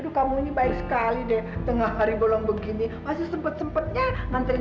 aduh kamu ini baik sekali deh tengah hari bolong begini masih sempet sempetnya nganterin